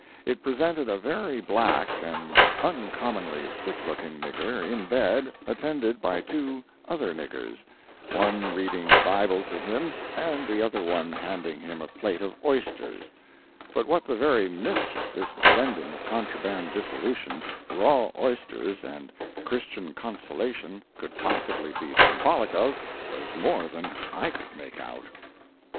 It presented a very black and uncommonly sick looking nigger, in bed, attended by two other niggers—one reading the Bible to him and the other one handing him a plate of oysters; but what the very mischief this blending of contraband dissolution, raw oysters and Christian consolation, could possibly be symbolical of, was more than I could make out.